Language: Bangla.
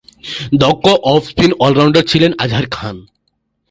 দক্ষ অফ স্পিন অল-রাউন্ডার ছিলেন আজহার খান।